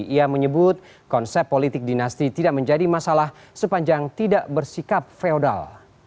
ia menyebut konsep politik dinasti tidak menjadi masalah sepanjang tidak bersikap feodal